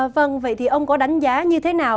vâng vậy thì ông có đánh giá như thế nào